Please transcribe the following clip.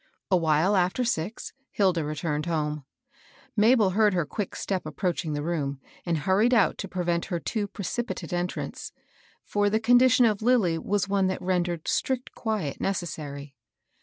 A while after six, Hilda returned home. Ma bel heard her quick step approaching the room, and hurried out to prevent her too precipitate entrance ; for th^ condition of Lilly was one that rendered strict quiet necessary.